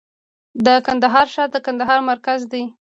د کندهار ښار د کندهار مرکز دی